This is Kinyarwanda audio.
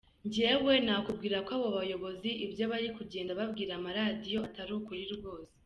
Njyewe nakubwira ko abo bayobozi ibyo bari kugenda babwira amaradiyo atari ukuri rwose.